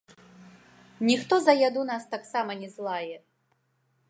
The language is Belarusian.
Ніхто за яду нас таксама не злае.